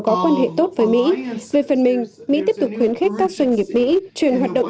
có quan hệ tốt với mỹ về phần mình mỹ tiếp tục khuyến khích các doanh nghiệp mỹ chuyển hoạt động